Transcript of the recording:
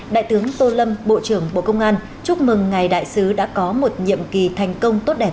đại tướng tô lâm bộ trưởng bộ công an chúc mừng ngài đại sứ đã có một nhiệm kỳ thành công tốt đẹp